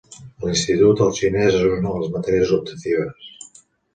A l'institut, el xinès és una de les matèries optatives.